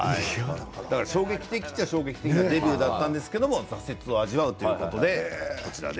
衝撃的といえば衝撃的なデビューだったんですが挫折を味わうということで。